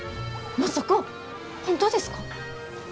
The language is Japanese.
まさか本当ですか？